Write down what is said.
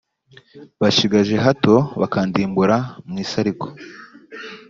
bashigaje hato bakandimbura mu isi ariko